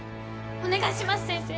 お願いします先生！